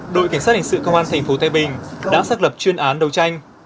đội kiến sát hình sự công an thành phố thái bình đã xác lập chuyên án đầu tranh